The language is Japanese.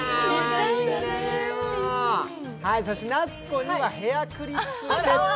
そして夏子にはヘアクリップセット。